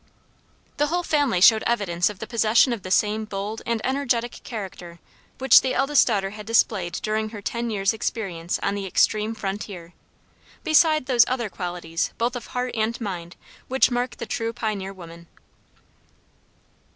The whole family showed evidence of the possession of the same bold and energetic character which the eldest daughter had displayed during her ten years' experience on the extreme frontier, beside those other qualities both of heart and mind which mark the true pioneer woman.